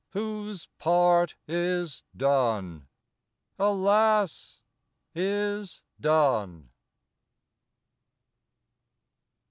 Whose part is done; alas! is done.